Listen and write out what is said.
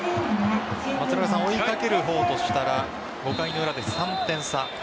追いかける方としたら５回の裏で３点差。